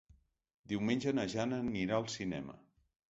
Diumenge na Jana anirà al cinema.